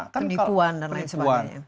penipuan dan lain sebagainya